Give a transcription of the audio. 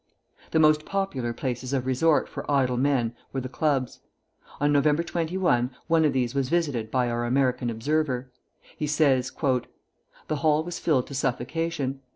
The most popular places of resort for idle men were the clubs. On November 21, one of these was visited by our American observer. He says, "The hall was filled to suffocation.